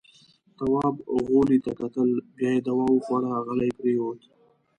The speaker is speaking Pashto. تواب غولي ته کتل. بيا يې دوا وخوړه، غلی پرېووت.